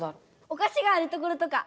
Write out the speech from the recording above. おかしがあるところとか？